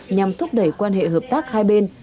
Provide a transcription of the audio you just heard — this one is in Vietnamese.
nhằm thúc đẩy quan hệ hợp tác hai bên